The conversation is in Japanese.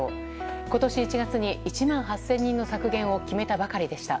今年１月に１万８０００人の削減を決めたばかりでした。